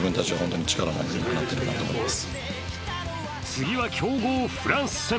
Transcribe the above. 次は強豪・フランス戦。